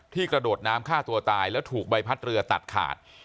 กระโดดน้ำฆ่าตัวตายแล้วถูกใบพัดเรือตัดขาด